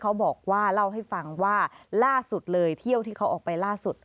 เขาบอกว่าเล่าให้ฟังว่าล่าสุดเลยเที่ยวที่เขาออกไปล่าสุด